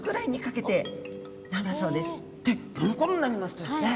でこのころになりますとですね